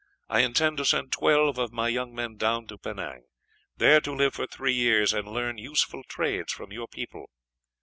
I intend to send twelve of my young men down to Penang, there to live for three years and learn useful trades from your people.